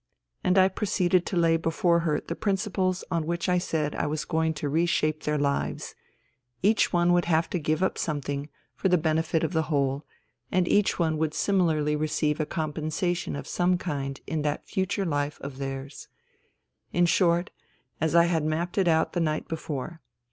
And I proceeded to lay before her the principles on which I said I was going to re shape their lives : each one would have to give up something for the benefit of the whole, and each one would similarly receive a compensation of some kind in that future life of THE THREE SISTERS 69 theirs : in short, as I had mapped it out the night before.